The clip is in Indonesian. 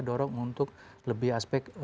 dorong untuk lebih aspek